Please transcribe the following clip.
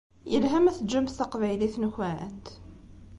Yelha ma teǧǧamt taqbaylit-nkent?